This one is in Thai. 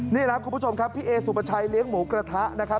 นี่ครับคุณผู้ชมครับพี่เอสุปชัยเลี้ยงหมูกระทะนะครับ